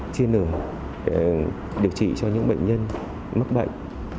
chia nửa điều trị cho những bệnh nhân mất bệnh